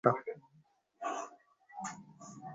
অতএব বুঝতে পারছ, কেন আমরা কোন ধর্মের সঙ্গে লড়াই করি না।